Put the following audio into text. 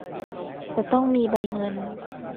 จะต้องมีใบเงิน